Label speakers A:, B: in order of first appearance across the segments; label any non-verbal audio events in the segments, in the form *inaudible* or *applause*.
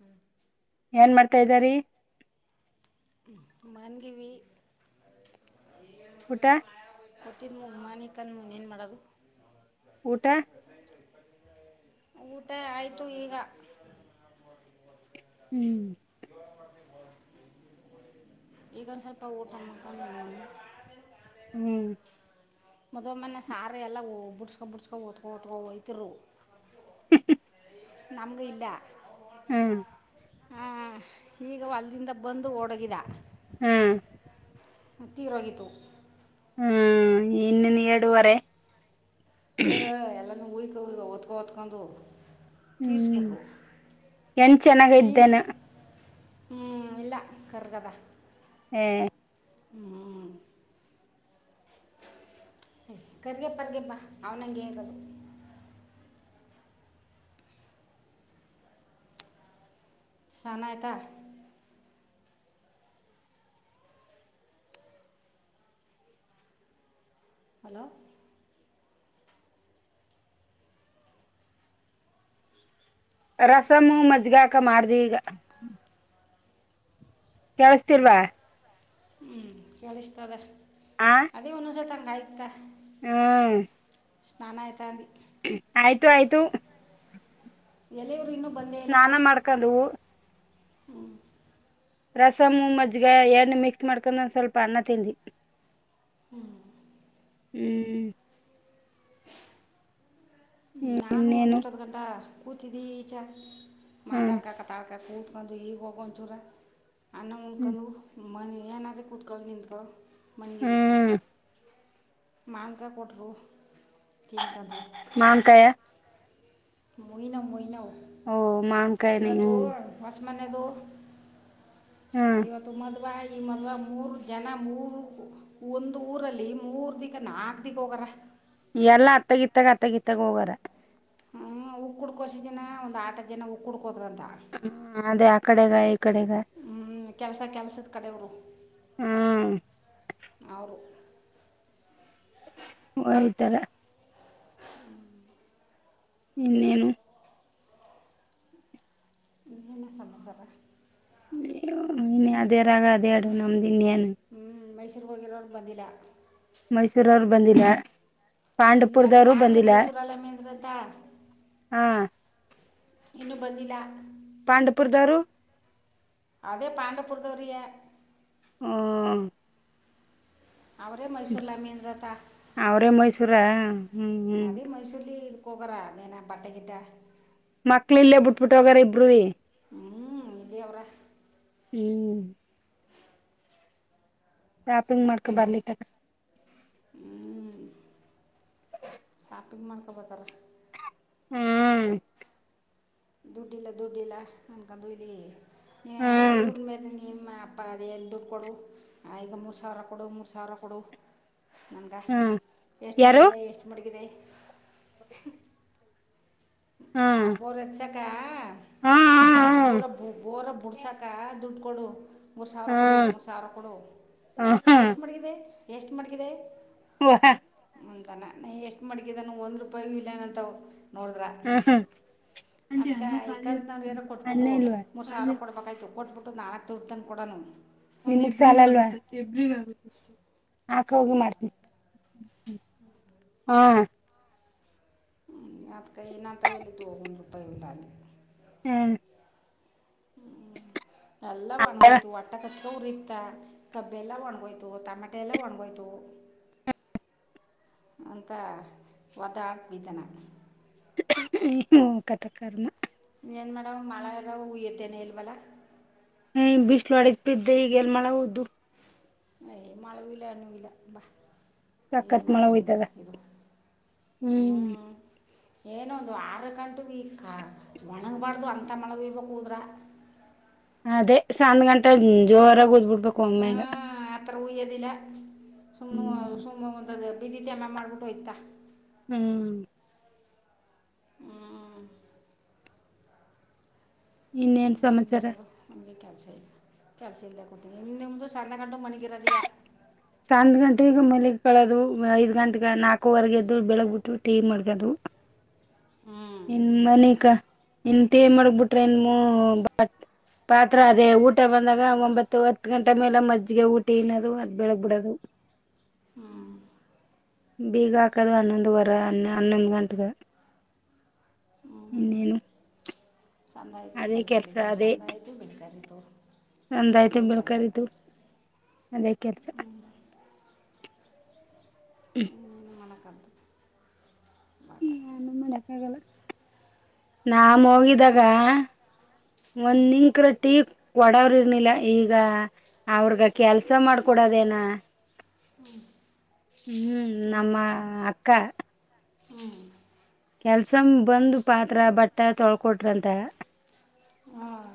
A: ಹ್ಮ
B: ಏನ್ ಮಾಡ್ತಾ ಇದ್ದಾರಿ.
A: ಮನ್ಗಿವಿ
B: ಊಟ
A: ಪ್ರತಿ ಮಾನ *unintelligible* ತಂದ್ ಅವನ್ ಏನ್ ಮಾಡೋದು
B: ಊಟ
A: ಊಟ ಆಯ್ತು ಈಗ
B: ಹ್ಮ್-
A: ಈಗೊಂದ್ದು ಸ್ವಲ್ಪ ಊಟ ಮಾಡಕೊಂಡನು.
B: ಹ್ಮ್
A: ಮದುವ ಮನೆ ಸಾರ ಎಲ್ಲ ಬಿಡ್ಸ್ಕೊ ಬಿುಡ್ಸ್ಕೊನ್ಡ್ ಒತ್ಕೊ ಒತ್ಕೋ ಹೋತುದ್ರು ನಮ್ಗ ಇಲ್ಲ.
B: ಹ್ಮ್-
A: ಹ ಈಗ ಹೊಲ್ಲಿನ್ದ ಬಂದು ಓಡಗಿದ್ದ
B: ಹ್ಮ್-
A: ತೀರೋಗಿತ್ತು.
B: ಹ್ಮ್ ಇನ್ನು ನೀ ಎಡುುವರೇ
A: ಹ ಎಲ್ಲಾನು ಹಯ್ ಒತ್ಕ ಒತ್ಕಂದು
B: ಹ್ಮ್ ಹೆಣ್ ಚೆನ್ನಾಗ ಇದ್ದೇನೋ
A: ಹ್ಮ ಇಲ್ಲ ಕರ್ಗದ
B: ಹ್ಮ್
A: ಹ್ಮ್ ಕರ್ಗೆಪ್ಪರ್ಗೆ ಬಾ ಅವ್ನಂಗಗೆರದು ಸಾನ್ನಾಯ್ತಾ ಹಲೋ
B: ರಸಂ ಮಜ್ಗೆ ಆಕ ಮಾಡ್ ದಿ ಈಗ ಕೇಳಿಸ್ತಿಲ್ವಾ
A: ಹ್ಮ್ ಕೇಳಿಸ್ತದೆ
B: ಆ
A: ಅದೇ ಒನನ್ ಸತ ರಾಯ್ತಾ
B: ಹ್ಮ್
A: ಸ್ನಾನ ಆಯತ ಅನ್ದೀ
B: ಆಯ್ತು ಆಯ್ತು
A: ಎಲ್ಲೇ ಇವ್ರ್ ಇನ್ನು
B: ಸ್ನಾನ ಮಾಡ್ಕನ್ಡು
A: ಹ್ಮ್.
B: ರಸಮ ಮಜ್ಗ ಎಣ್ಣು ಮಿಕ್ಸ್ ಮಾಡ್ಕೊಂಡಂದು ಸ್ವಲ್ಪ ಅನ್ನ ತಿಂದ.
A: ಹ್ಮ್.
B: ಹ್ಮ್.
A: ನಾನು ಹೋಗಿ
B: ಇನ್ನೇನು
A: ಇಷ್ಟೊದ್ ಗಂಟ. ಕುೂತ್ದೀಚ.
B: ಹ್ಮ್
A: ಮಾತವ ಕ. *unintelligible* ಕಕೂ ಉತ್ಕೊಂಡಂದುು ಹಿ ಹಕ ಚೂರ. ಅನ್ನ
B: ಹ್ಮ್
A: ಮುಕಂದು. ಮನೆ ಏ. *unintelligible* ಮಗಿದ
B: ಹ್ಮ್
A: ಮಾನ್ಕ ಕೊಟ್ಟರು. ನ್ ಕಂಡ.
B: ಮಾನ್ಕಾಯ
A: ಮುಯನ ಮಯನ.
B: ಓ ಮನ್ ಕಾಯ ನೀ ಹ್ಮ್.
A: ಪಚ್ ಮಾನೆದು.
B: ಹ್ಮ್
A: ಇವತ್ತುು ಮದುವ. ಈ ಮಲ್ ಮೂರ್ ಜನ ಮೂರು ಒಂದು ಊರಲ್ಲಿ ಮೂರ್ ದಿಕ್ಕ ನಾಕ್ ದಿಕ್ ಹೋಗಾರ.
B: ಎಲ್ಲ ಅತ್ತಗಿತ್ತಾಗ ಅತ್ತಗಿತ್ತಗ ಹೋಗದ.
A: ಹ್ಮ ಉಕ್ಕ ಕುಡ್ಕೋಸ ಜನ ಒಂದ್ ಆಟ ಜನ ಉ ಕುಡ್ಕ. ಹೋದ್ರಂತ
B: ಹ್ಮ ಅದೇ ಆ ಕಡೆಗ ಈ ಕಡೆಗ
A: ಹ್ಮ ಕೆಲ್ಸ ಕೆಲ್ಸದ ಕಡೆವ್ರು
B: ಹ್ಮ್
A: ಅವರು.
B: ಹೌತರ.
A: ಹ್ಮ್.
B: ಇನ್ನೇನು.
A: ಇನ ಸಮಾಚಾರ.
B: ಹ. ದೇರಾಗಾದೇಡು. *unintelligible*
A: ಚಿರು ಹೋಗಿರೋರು ಬಂದಿಲಾ.
B: ಮೈಸೂರರು ಬಂದಿಲ್ಲ.
A: ಹ್ಮ ಅದೆಲ್ಲ
B: ಪಾಂಡಪುರದವರು
A: ಆಗ್ಲಿ
B: ಬಂದಿಲ್ಲ
A: ಮೈಸೂರಲ್ಲ ಮ ಅಂದ್ರಂತ.
B: ಹಾ
A: ಇನ್ನುೂ ಬಂದಿಲ್ಲ.
B: ಪಾಂಡಪುರದಾರು.
A: ಅದೇ ಪಾಂಡಪುರದವರಿಗೆ.
B: ಹ್ಮ್.
A: ಅವ್ರೇ ಮೈಸೂರ್ಲ ಮೀನ್ತ್ತ
B: ಅವ್ರೇ ಮೈಸೂರ ಹ್ಮ್ ಹ್ಮ್
A: ಅದೇ ಮೈಸೂರ್ಲ್ಲಿ. ಕುಗರ ನೇನ ಬಟ್ಟಗಿಡ.
B: ಮಕ್ಳ ಇಲ್ಲೇ ಬಿಟ್ಬಿಟ್ಟೋಗಾರ ಇಬರುೂ.
A: ಹ್ಮ್ ಇದೇ ಅವ್ರ.
B: ಹ್ಮ್. ಶಾಪಿಂಗ್ ಮಾಡ್ಕೊ ಬರ್ಲಿಕ್ಕ
A: ಹ್ಮ ಆಪಿಂಗ್ ಮಾಡ್ಕೊಬೇಕಾರ
B: ಹ್ಮ್
A: ದುಡ್ಡಿಲ್ಲ ದುಡ್ಡಿಲ್ಲ ಅನ್ಕೊಂಡ ು ಇಲಿ ಹ
B: ಹ್ಮ್
A: ಇವರು ಬ ನೀ ಮ ಅಪ್ಪ ಅದು ಎಲ್ಲಿ ದುಡ್ಡು ಕೊಡು ಆ ಈಗ ಮೂರು ಸಾವಿರ ಕೊಡು ಮೂರು ಸಾವಿರ ಕೊಡು ನನ್ಗೆ
B: ಹ್ಮ್
A: ಎಷ್ಟು
B: ಯಾರು
A: ಮಡಗಿದೆ ಎಷ್ಟು ಮಡಗಿದೆ ಹ್ಮ್ ಆ
B: ಹ್ಮ್
A: ಬೋರ್ ಎಚ್ಚಸಕ
B: ಹ್ಮ್
A: ಬೋರ ಬೋರ ಬುಡ್ಸಕ ದುಡ್ ಕೊಡು ಮೂರು ಸಾವಿರ
B: ಹ್ಮ್
A: ಕೊಡು
B: ಹ್ಮ್
A: ಮೂರು ಸಾವಿರ ಕೊಡು
B: ಹ್ಮ್
A: ಎಷ್ಟು ಮಡಗಿದೆ ಎಷ್ಟು ಮಡಗಿದೆ
B: ವಾಹ
A: ಅಂತಾನ ನ ಎಷ್ಟ್ ಮಡಗಿದಾನ ಒಂದ್ೂಪಾಯಿ ಇಲ್ಲೇನ ಅಂತ ನೋಡ್ರ
B: ಹ ಹ ಅ ಅಲ್ಲ ಕಖಿ
A: ಇಕ್ಕಂತ ನಾವು ಏನೋ ಕೊಟ್ಬಿಟ್ಟು
B: ಅನ್ನಲ್ಲ
A: ಮೂರು ಸಾವಿರ
B: ಕಿ
A: ಕೊಡ್ಬೇಕಾಯ್ತು ಕೊಟ್ಬಿಟ್ಟು ನಾಲ್ಕು ದುಡ್ಡು ತನ್ದು ಕೊಡನು
B: ನಿಗ್ ಸಾಲ ಅಲ್ವಾಬ್ರ ಹಾಕ ಹೋಗಿ ಮಾಡ್ತ ಹಾ
A: ಯ ಕೈ ನಂತವೆಲಿತ್ತು ಹೋಗ ಒಂದು ರೂಪಾಯಿ ಉಲ್ಲ ಆ
B: ಹ್ಮ್
A: ಹ್ಮ್ ಎಲ್ಲ ಒಣಗೋಯ್ತು ಒಟ್ಟ ಕಟ್ಟ ಹೂ ರೀ ಇತ್ತ ಕಬ್ಬೆ ಎಲ್ಲ ಒಣ್ಗೋಯ್ತ ಹೂ ತಟಮಾಟೆ ಎಲ್ಲ ಒಣಗೋಯ್ತು ಅಂತ ಒದ ಆ ಬಿದ್ದಾನ
B: ಅಯ್ಯೋ ಕಥ ಕರ್ಮ
A: ಇ ಏನ್ ಮಾಡೇಡ ಮಳೆ ಎಲ್ಲ ಹುಯ್ಯುತ್ತೇನೆ ಇಲ್ವಲ್ಲ
B: ಹ ಬಿಸಿಲು ಅಡ ಬಿಿದ್ದೆ ಈಗ ಎಲ್ ಮಳ ಹೋದು
A: ಯ ಮಳವಲ ಅ್ಣ ಇಲ ಬಾ
B: ಸಖತ್
A: ಏನ
B: ಮಳೆ
A: ಸುಮ್ಮನೆ
B: ಹೋಯ್ತದ
A: ಇದು ಹ್ಞೂ
B: ಹ್ಮ್
A: ಏನೋ ಒಂದು ಆರು ಗಂಟೆಗೆ ಕ ಒಣಗಬಾರ್ದು ಅಂಥ ಮೊಳಗಯ್ಬೇಕ ಹದ್ರೆ
B: ಅದೇ ಸಂದ್ ಗಂಟೆ ಜೋರ ದ್ಬಿಟ್ಟು ಇಬೇಕು ಅಮ್ಮೇಲೆ
A: ಅದಲ ಸುಮ ಸಮ ಒದ ಬಿದಿತಿಮ್ಮ ಮಾಡ್ಬಿಟ್ಟುೋಯ್ತಾ
B: ಹ್ಮ್
A: ಹ್ಞೂ
B: ಇನ್ನೇನ್
A: ಹ್ಮ್
B: ಸಮಾಚಾರ
A: ನದು ನಮಗೆ ಕ ಕೆಲ್ಸ ಇಲ್ಲದೆ ಕೊೂತೀನಿ ಇನ್ ನಿಮ್ದು ಸ್ಣೆಗಂಡು ಮನೆಿಗಿರದಿಯಾ
B: ಸಧ್ ಗಂಟೆಗ ಮೇಲಗ್ ಕಳೋದು ಐದ್ ಗಂಟೆೆಗೆ ನಾಲ್ಕೂವರೆಗೆ ಎದ ಬೆಳಗ್ ಬಿಿಟ್ಟು ಟೀ ಮಾಡ್ಕದು
A: ಹ್ಞೂ
B: ಇನ್ ಮನಿಕ ಇನ್ಂತೇ ಮಡಗ್ ಬಿಿಟ್ರ ಇನ್ನು ಪಾತ್ರ ಅದೇ ಊಟ ಬಂದಾಗ ಒಂಬತ್ತು ಹತ್ತು ಗಂಟೆ ಮೇಲೆ ಮಜ್ಜಿಗೆ ಊಟ ಇನ್ನೋದು ಅದ್ ಬೆಳಗ್ ಬಿಿಡದು
A: ಹ್ಮ್
B: ಬೀಗ ಹಾಕದು್ ಹನ್ನೊಂದು ವರ ಹನ್ನೊಂದು ಗಂಟೆೆಗೆ
A: ಹ್ಞೂ
B: ಇನೇ
A: ಸಂದ ಆಯಿತು ಬೆಳ್ಕರಿೀತು ಸಂದ ಆಯಿತು ಬೆಳ್ಕರಿೀತು
B: ಒಂದಾಯ್ತು
A: ಅದೇ ಕೆಲಸ
B: ಬೆಳ್ಕರಿತು ಅದೇ ಕೆಲ್ಸ
A: ಹ
B: ಹ್ಮ
A: ತ್ಯಂಕ್ು
B: ಗಲ್ಲ ನಾಮ ಹೋಗಿದಾಗ ಒನ್ನಿಕ್ರ ಟಿ ಒಡವ್ರ ಇರ್ನಿಲ್ಲ ಈಗ ಅವ್ರಗ ಕೆಲ್ಸ ಮಾಡ್ಕೊಡೋದೇನ ಹ್ಮ್ ನಮ್ಮ ಅಕ್ಕ
A: ಹ್ಞೂ
B: ಕೆಲ್ಸ ಬಂದ ಪಾತ್ರ ಬಟ್ಟ ತೊಳ್ಕೊಟ್ರಂತ
A: ಹಾಂ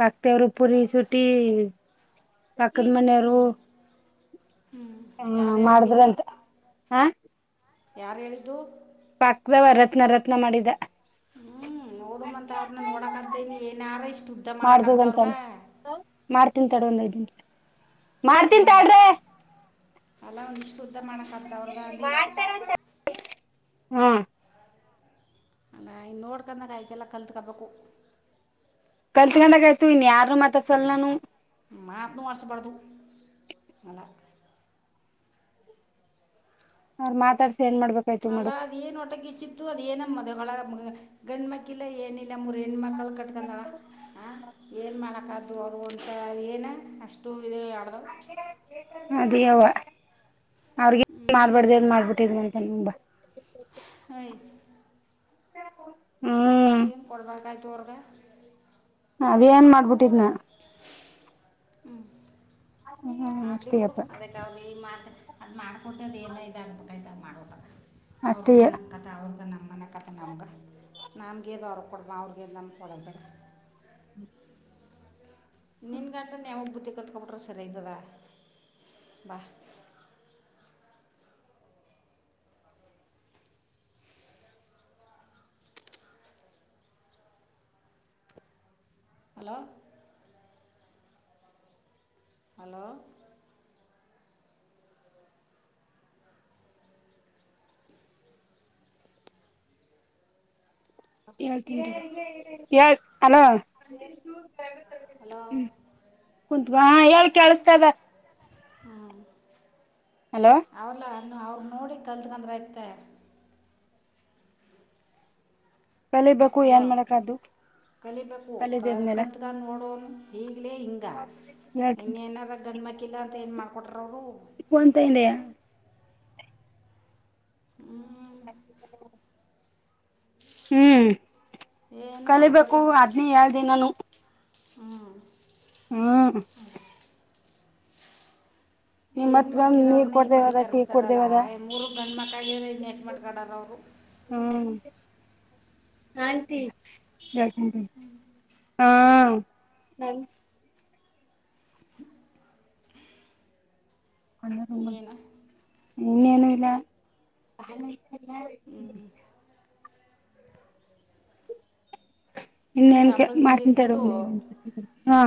B: ಪಕ್ದವರು ಪುರಿ ಸುಟ್ಟಿ ಪಕ್ಕದ ಮನೆಯವರು
A: ಹ್ಞೂ
B: ಹಾ
A: ಯಾರು ಹೇಳಿದ್ದು
B: ಮಾಡಿದ್ರಂತೆ ಹಾ
A: ಯಾರು ಹೇಳಿದ್ದು
B: ವ ರತ್ನ ರತ್ನ ಮಾಡಿದ
A: ಕೊಡ ಅಂತ ಅವ್ರನ್ನ ನೋಡಕದ ಇನ್ನು ಏನಾರ ಇಷ್ಟು ಉದ್ದ ಮಾಡಕದ್ದ ಅವ್ರಗ
B: ಮಾಡ್ದದಂತಾನೆ ಹ್ಮ ಸ
A: ಹ್ಮ್ ಅಲ್ಲ ಒಂದ ಶುದ್ಧ ಮಾಡ ಕಂ ರಾಹುಲ್ ಗಾಂಧಿ
B: ಹ್ಮ
A: ಅಂದ ಇನ್ ನೋಡ್ಕೊಂಡಾಗ ಆಯ್ತೆಲ್ಲ ಕಲ್ತ್ಕೊಬೇಕು
B: ಕಲ್ತ್ಕೊಂಡಾಗ ಆಯ್ತು ಇನ್ನು ಯಾರು ಮಾತಾಸಲ್ಲ ನಾನು
A: ಮಾತನ್ನು ಅರ್ಿಸಬಾರ್ದು ಅಲ್ಲ
B: ಅವ ಮಾತಾಡ್
A: ಅಲ್ಲಾ ಅದ ಏನ್ ಒಟಗಿಚ್ಚಿತ್ತು ಅದ ಏನ ಮದಗಳ ಗಂಡ್ಮಕ್ಕಿಲ್ಲ ಏನಿಲ್ಲ ಮೂರು ಹೆಣ್ಣ ಮಕ್ಕಳು ಕಟ್ಟ ಂದ ಹ ಏನ್ ಮಾಡಕ್ಕ ರಂ ಏನ ಅಷ್ಟೊ
B: ಹ *inaudible* ಅಡವಾ ಅವ್ರಿ ಮಾಡ್ಬಾರ್ದನ್
A: ಹ್ಞೂ
B: ಮಾಡ್ಬಿಟ್ಟಿದ್ಂತೆಂತ ಹ ಬ *inaudible* ಹ *inaudible*
A: ಏನ್ ಪಬೇಕ ಕಾಯ ದರ್ಗ
B: ಅದ ಏನ್ ಮಾಡ್ಬಿಟ್ಟಿದ್ನ
A: ಹ್ಮ್
B: ಹ್ಮ್
A: ಆಡ್ಲಿ ಬಿುಡು
B: ಅಷ್ಟೇಯಪ್ಪ
A: ಅದಕ್ಕ ಅವಲಿ ಈ ಮಾತಿನ *inaudible* ಅದ್ ಮಾಡ್ಕೊಟ್ಟದ್ ಏನಐ ಅನ್ಯ್ತ ಮಾಡ ಅವ್ರ
B: ಅಷ್ಟೇ
A: ಮನ್ತ ಅವ್ರಗನ ನಮ್ಮನೆ ಕತೆ ನಮಗೆ ನಮಗೆ ಇದು ಅವರು ಕೊಟ್ಟ ಅವರು ಗೆದ್ದು ನಮಗೆ ಕೊಡೋದು ಬೇಡ ನಿನ್ನ ಗಂಡ ನ್ಯಾಯವಾಗಿ ಬುದ್ಧಿ ಕತ್ಕೊಟ್ರರು ಸರಿ ಆಯ್ತದ ಬಾ ಹಲೋ ಹಲೋ
B: ಹೇಳ್ ಹಲೋ
A: ಹಲೋ
B: ಹಾ ಹೇಳ ಕೇಳಸ್ತದ
A: ಹ್ಮ
B: ಹಲೋ
A: ವೌಲ ನ ಅವ್್ರ ನೋಡಿ ಕಲ್ತ್ಕಂದ್ರೈತೆ
B: ಕಲಿಬೇಕು
A: ಅಲೋ
B: ಏನ್ ಮಾಡಕದು
A: ಕಲಿಬೇಕು ಕ
B: ಕಲಿದದ್ಮೇಲೆ
A: ಕಲ್ತ್ಗ ನೋಡೋಣ ಈಗ್ಲೇ ಹಿಂಗ
B: ಹೇಳ್ತೀನಿ
A: ಇನ್ನೇನಾರ ಗಂಡ ಮಕ್ಕಿ ಇಲ್ಲ ಅಂತಏನ್ ಮಾಡ್ಕಟ್ಟ
B: ಫೋನ್ ತಂದಿದೆ
A: ಹ್ಮ
B: ಮ ಚಲ ಹ್ಮ್
A: ಏನು
B: ಕಲಿಬೇಕು ಅದ್ನೇ ಎಳ್ ದಿನಾನು
A: ಹ್ಮ್
B: ಹ್ಮ
A: ಹೆಣ್ಣು
B: ನಿಮ್ಮತ್ಗ
A: ಮಕ್ಕಳ
B: ನೀರ್
A: ಇದ್ರೆ ಇಷ್ಟು
B: ಕೊಡ್ದೇವದ ಟೀ
A: ಕರ್ಕ್ತರಲ್ಲ
B: ಕೊಡ್ದೇವದ
A: ಇನ್ನು ಮೂರು ಗಂಡು ಮಕ್ಕಳ ಮ್ಕಾಡಲ್ಲ ಅವರು
B: ಹ್ಮ್ ಆಂಟಿ ಜಾಕ ಹಾ ಅಲ್ಲ ತಂಬ
A: ಇನ್ನೇನು
B: ಇನ್ನೇನು ಇಲ್ಲ ಇನ್ನೇನ್ ಕೆಲ್
A: ಸಂಬಳದ ಮೇಲೆ
B: ಮಾಡ್ತಂತರ
A: ಇದ್ಬಿಟ್ಟು
B: ಹ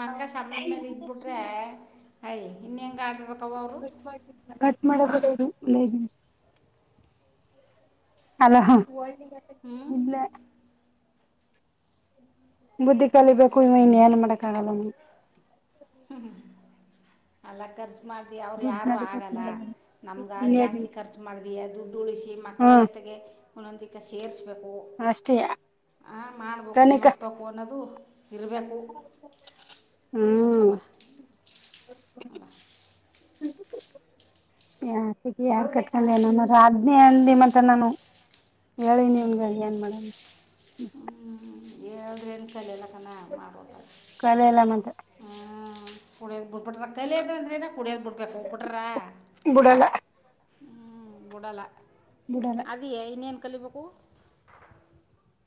A: ಮಕ್ಕ ಸಂಬಳದ ಇನ್ನೆಂಗಾಡ
B: ಕು ಮಾಡ *inaudible* ಅಲ
A: ಹ್ಮ್
B: ಬುದ್ಧಿ ಕಲಿಬೇಕೇಕು ಇವ ಇನ್ ಏನ್ ಮಾಡಕ್ ಆಗಲ್ಲ
A: ಹ್ಮ್ ಹ್ಮ ಅಲ್ಲಕ್ಕರ್ ಖರ್ಚು ಮಾಡಿದ ಅವ್ರು ಯಾರೂ
B: ದುಡ್ಡು ಕಟ್
A: ಆಗಲ್ಲ
B: ಮಾಡ
A: ನಮ್ಗೆ
B: ಇನ್ನೆರಡ್
A: ಜಾಸ್ತಿ
B: ನಿಮಿಷ
A: ಖರ್ಚು ಮಾಡಿದ ದುಡ್ಡು ಉಳಿಸಿ ಮಕ್ಕಳ
B: ಹ್ಮ
A: ಜತೆಗೆ ಒಂದೊಂದಕ್ಕ ಸೇರಿಸ್ಬೇಕು
B: ಅಷ್ಟೇ
A: ಮಾಡಬೇಕು
B: ಕನಿಕ
A: ಮುಟ್ಬೇಕು ಅನ್ನೋದು ಇರಬೇಕು ಮನುಷ್ಯನ್ಗ ಬ
B: ಹ್ಮ ಯ ಸಿ ಯಾರ್ ಕಟ್ ನತ್ರ ಹದ್ನೇ ಹಂದಿ ಮತ್ತ ನಾನು ಹೇಳಿ ನೀವಗ ಏನ್ ಮಾಡೇಡಮ್ ಹ್ಮ
A: ನೀವ್ ಹೇಳ್ರಿ ಅಂತ ಡೈಲಾಗ್ ಚೆನ್ನಾಗಿ ಮಾಡೋದ
B: ಕಲಿಯಲ್ಲ ಮತ್ತ
A: ಹ್ಞ ಕುಡಿಯದ ಬುಡ್ಬಟ್ಟ ರ ತಲೆದ ಅಂದ್ರನ ಕುಡಿಯೋದ ಬಿಡ್ಬೇಕು ಹೋಗ್ಬಿಟ್ರ
B: ಬಿಡಲ್ಲ
A: ಹ್ಮ್ ಬಿಡಲ
B: ಬಿಡಲ್ಲ
A: ಅದೆಯೇ ಇನ್ನ ಕಲಿಬೇಕು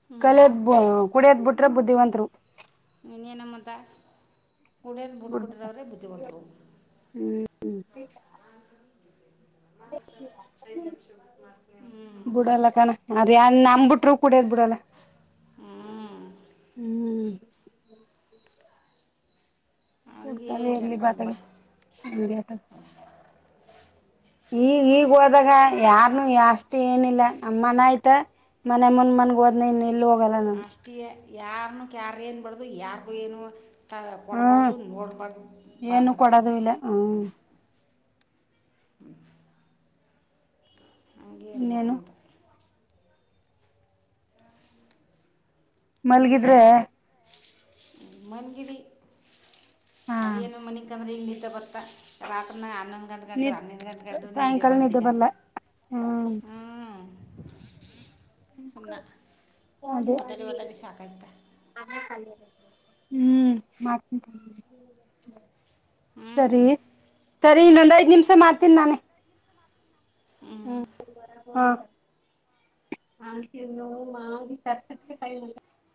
A: ಹ್ಞೂ
B: ಕಲೆದ ಕುಡಿಯದ್ಬಿಟ್ಟು ಬುದ್ಧಿವಂತತ್ರು
A: ಇನ್ನೇನು ಮತ್ತೆ ಕುಡಿಯದ್
B: ಬಿಡ್ಬೇಕ
A: ಬಿಟ್ಬಿಟ್ಟಿದವರೆ ಬುದ್ಧಿವಂತರು
B: ಬುಡಲ್ಲ ಕಣ ಅವ್ರು ನನ್ ಬಿಟ್ರು ಕುಡಿಯೋದು ಬಿಡಲ್ಲ
A: ಹ್ಞೂ
B: ಹ್ಮ್ *unintelligible*
A: ಹಂಗೆ
B: ಕುಡ್ಕೊಂಡೆ ಇರ್ಲಿ ಬಾಹತೆ
A: ಬಾ
B: ಹೆಂಗೆ ಅತಾಗ ಈಗ ಈಗ ಹೋದಾಗ ಯಾರನು ಅಷ್ಟು ಏನಿಲ್ಲ ನಮ್ಮ ಮನ ಆಯ್ತ ಮನೆಯಮನ್ ಮನ್ಗ ಹೋದ್ನನ್ ಎಲ್ಲು ಹೋಗ
A: ಅಷ್ಟೇ ಯಾರ್ನು ಕ್ಯಾರೇ ಅನ್ನಬಾರದು ಯಾರಿಗು ಏನು
B: ಹ್ಮ್
A: ಕೊಡ್ಬಾರ್ದು ನೋಡ್ಬಾರ್ದು ಬಾ
B: ಏನು
A: ಹತ್ತಗ
B: ಕೊಡೋದು ಇಲ್ಲ ಹ್ಮ್
A: ಹಂಗೆ ಇರ್ಬೇಕು
B: ಇನ್ನೇನು
A: ಮತ್ತು
B: ಮಲ್ಗಿದ್ರ
A: ಮಗಿದಿ
B: ಹಾ
A: ಅದೇಏನು ಮನಿಕಂದ್ರೆ ಹೀಗ ನಿದ್ದೆ ಬತ ರಾತ್ರಿನಾಗ ಹನ್ನೊಂದು ಗಂಟ ಗಂಟು
B: ನಿದ್ದೆ
A: ಹನ್ನೊಂದು ಗಂಟೆ ಗಂಟು ನಿದ್ದೆ
B: ಸಾಯಂಕಾಲ
A: ಬರೋದಿಲ್ಲ
B: ಬರ್ಲ್ಲ ಹ್ಮ್
A: ಹ್ಮ್
B: ಅದೇ
A: ಒದ್ದಾಡಿ ಒದ್ದಾಡಿ
B: *unintelligible*
A: ಸಾಕಾಯ್ತ
B: ಹ್ಮ್ ಮಾಡ್ತೀನಿ
A: ಹ್ಞೂ
B: ಸರಿ ಸರಿ ಇನ್ನೊಂದು ಐದು ನಿಮಿಷ ಮಾಡ್ತೀನಿ ನಾನೇ ಹ್ಮ್ ಹಾ *unintelligible*